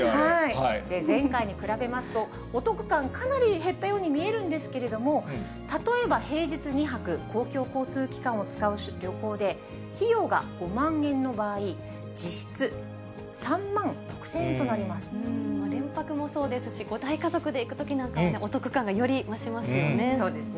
前回に比べますと、お得感かなり減ったように見えるんですけれども、例えば平日２泊、公共交通機関を使う旅行で、費用が５万円の場合、連泊もそうですし、大家族で行くときなんかは、お得感がより増しますよね。